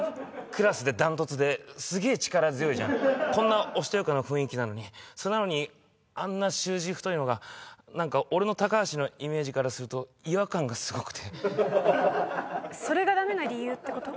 クラスでダントツですげえ力強いじゃんこんなおしとやかな雰囲気なのにそれなのにあんな習字太いのが何か俺の高橋のイメージからすると違和感がすごくてえっそれがダメな理由ってこと？